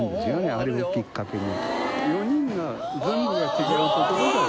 あれをきっかけに。